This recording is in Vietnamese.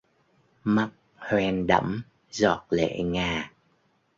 Mắt hoen đẫm giọt lệ ngà